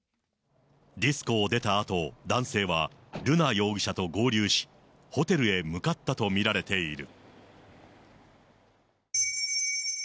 ディスコを出たあと、男性は瑠奈容疑者と合流し、ホテルへ向かったと見られている。